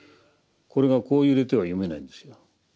これがこう揺れては読めないんですよ。